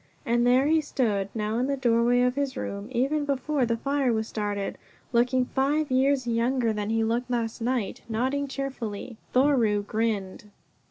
And there he stood now in the doorway of his room, even before the fire was started looking five years younger than he looked last night, nodding cheerfully. Thoreau grinned.